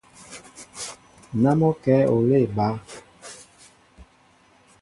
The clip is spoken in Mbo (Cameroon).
Ná mɔ́ o kɛ̌ olê a bá.